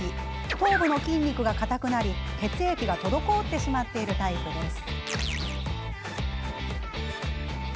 頭部の筋肉が硬くなり血液が滞ってしまっているタイプです。